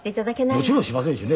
もちろんしませんしね。